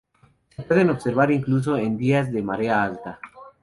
Se pueden observar, incluso en días de marea alta.